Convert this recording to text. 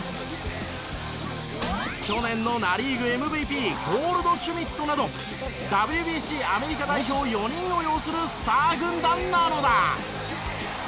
去年のナ・リーグＭＶＰゴールドシュミットなどＷＢＣアメリカ代表４人を擁するスター軍団なのだ。